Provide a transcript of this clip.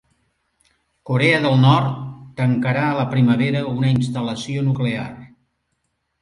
Corea del Nord tancarà a la primavera una instal·lació nuclear